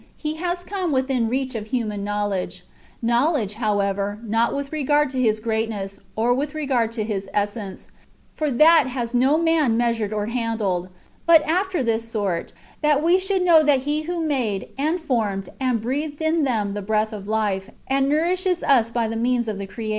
He has come within reach of human know ledge (knowledge, however, not with regard to His great ness, or with regard to His essence — for that has no man measured or handled — but after this sort: that we should know that He who made, and formed, and breathed in them the breath of life, and nourishes us by means of the creation, ^ 1 Cor.